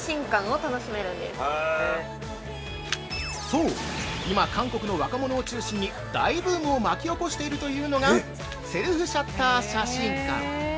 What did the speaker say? ◆そう、今、韓国の若者を中心に大ブームを巻き起こしているというのが、セルフシャッター写真館。